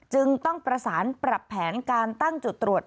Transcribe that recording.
จึงต้องประสานปรับแผนการตั้งจุดตรวจ